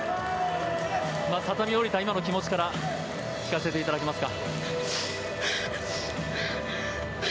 畳を下りた今の気持ちから聞かせていただけますか。